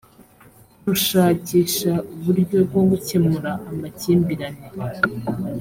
rushakisha uburyo bwo gukemura amakimbirane